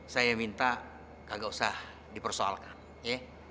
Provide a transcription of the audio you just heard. saya minta agak usah dipersoalkan ya